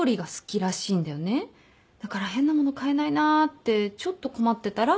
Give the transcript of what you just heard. だから変な物買えないなってちょっと困ってたら。